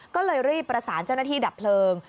ก็เลยรีบประสานเจ้าหน้าที่ดับเพลิง